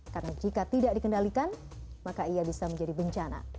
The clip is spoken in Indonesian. karena jika tidak dikendalikan maka ia bisa menjadi bencana